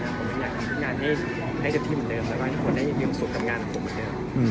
ผมอยากทำงานให้เจ้าที่เหมือนเดิมและให้ทุกคนได้มีอุตสุขกับงานของผมเหมือนเดิม